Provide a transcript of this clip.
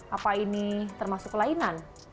apa ini termasuk kelainan